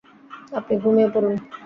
আপনি ঘুমিয়ে পড়ুন।